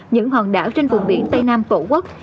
những hòn đảo trên vùng biển tây nam tổ quốc